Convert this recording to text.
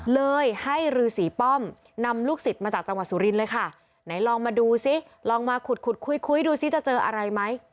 เลยให้รือสีป้อมนำลูกศิษย์มาจากจังหวัดสุรินทร์เลยค่ะไหนลองมาดูซิลองมาขุดขุดคุยคุยดูซิจะเจออะไรไหม